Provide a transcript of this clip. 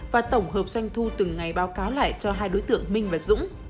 và tổng hợp doanh thu từng ngày báo cáo lại cho hai đối tượng minh và dũng